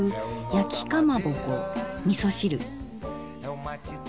やきかまぼこみそ汁。